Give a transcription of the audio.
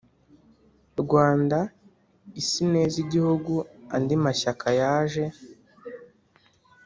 Rwandaisineza igihugu Andi mashyaka yaje